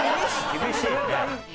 厳しいね。